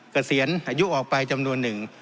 เกษียณอายุออกไปจำนวนหนึ่ง